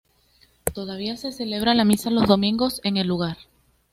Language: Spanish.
Todavía se celebra la misa los domingos en el lugar.